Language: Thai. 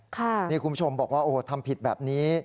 คุณผู้ชมบอกว่าโอ้โหทำผิดแบบนี้